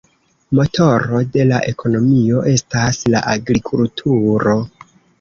Motoro de la ekonomio estas la agrikulturo.